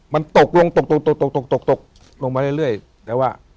มันตกลงตกตกตกตกตกตกตกลงมาเรื่อยเรื่อยแล้วว่า